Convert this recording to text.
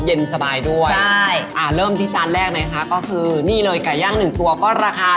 เย็นสบายด้วยใช่อ่าเริ่มที่จานแรกนะคะก็คือนี่เลยไก่ย่างหนึ่งตัวก็ราคา